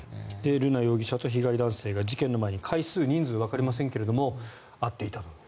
瑠奈容疑者と被害男性が事件の前に回数、人数はわかりませんが会っていたと。